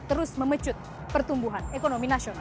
terus memecut pertumbuhan ekonomi nasional